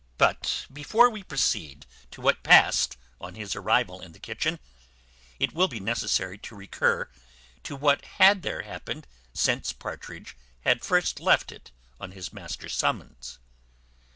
But before we proceed to what passed on his arrival in the kitchen, it will be necessary to recur to what had there happened since Partridge had first left it on his master's summons.